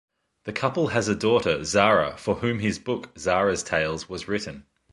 The couple has a daughter, Zara, for whom his book, Zara's Tales, was written.